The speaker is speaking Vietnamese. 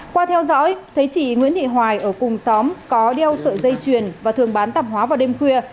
qua theo dõi thấy chị nguyễn thị hoài ở cùng xóm có đeo sợi dây chuyền và thường bán tạp hóa vào đêm khuya